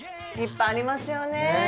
いっぱいありますよね